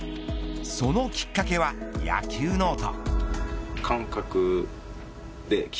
そのきっかけは野球ノート。